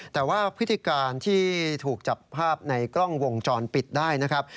แต่ว่าพฤติการที่ถูกจับภาพในกล้องวงจรปิดได้นะครับ